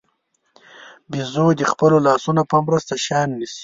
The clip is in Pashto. بیزو د خپلو لاسونو په مرسته شیان نیسي.